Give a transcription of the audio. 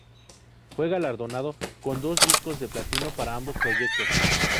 Fue galardonado con dos discos de platino para ambos proyectos.